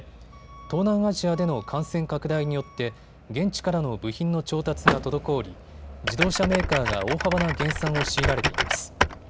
東南アジアでの感染拡大によって現地からの部品の調達が滞り自動車メーカーが大幅な減産を強いられています。